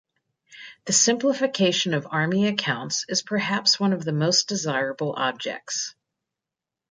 The simplification of army accounts is perhaps one of the most desirable objects.